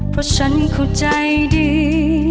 เพราะฉันเข้าใจดี